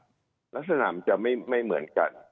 ลักษณะมันจะไม่เหมือนกัน